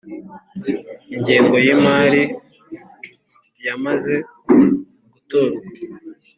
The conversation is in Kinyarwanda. ingengo y imari yamaze gutorwa